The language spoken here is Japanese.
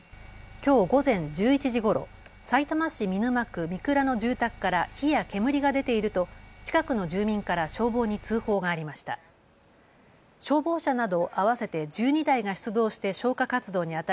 きょう午前１１時ごろ、さいたま市見沼区御蔵の住宅から火や煙が出ていると近くの住民から消防に通報がありました。